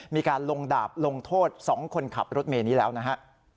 มีการลงดาบลงโทษ๒คนขับรถเมย์นี้แล้วนะฮะ